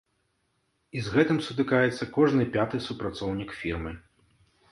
І з гэтым сутыкаецца кожны пяты супрацоўнік фірмы.